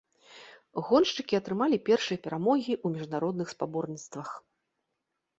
Гоншчыкі атрымалі першыя перамогі ў міжнародных спаборніцтвах.